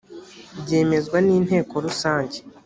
byemezwa n inteko rusange